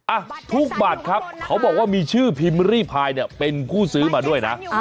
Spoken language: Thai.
อ่ะทุกบัตรครับเขาบอกว่ามีชื่อพิมพ์รีพายเนี่ยเป็นผู้ซื้อมาด้วยนะ